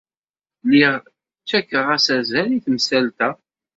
Lliɣ ttakfeɣ-as azal i temsalt-a.